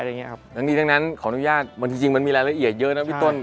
ทั้งนี้ทั้งนั้นขออนุญาตบางทีจริงมันมีรายละเอียดเยอะนะพี่ต้น